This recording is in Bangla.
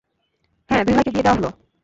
হ্যাঁ, দুই ভাইকে দিয়ে দেওয়া হলো।